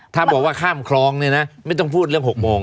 ถ้าบอกว่าข้ามคลองเนี่ยนะไม่ต้องพูดเรื่อง๖โมง